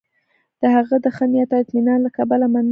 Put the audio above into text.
د هغه د ښه نیت او اطمینان له کبله مننه وکړي.